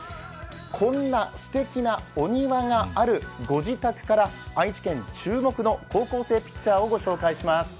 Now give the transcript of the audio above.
こんなすてきなお庭がある御自宅から愛知県注目の高校生ピッチャーをお伝えします。